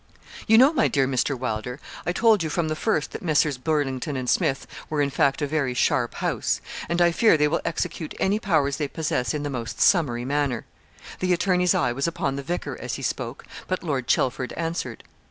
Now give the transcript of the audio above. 'You know, my dear Mr. Wylder, I told you from the first that Messrs. Burlington and Smith were, in fact, a very sharp house; and I fear they will execute any powers they possess in the most summary manner.' The attorney's eye was upon the vicar as he spoke, but Lord Chelford answered.